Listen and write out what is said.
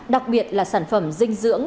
đặc biệt là sản phẩm dinh dưỡng